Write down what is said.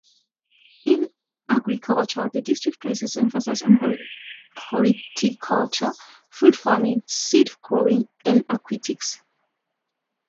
In agriculture, the district places emphasis on horticulture, fruit-farming, seed-growing and aquatics.